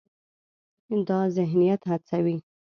دا ذهنیت هڅوي،